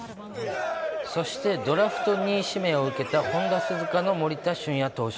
そしてドラフト２位指名を受けたホンダ鈴鹿の森田駿哉投手。